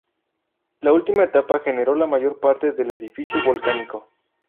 La última etapa generó la mayor parte del edificio volcánico.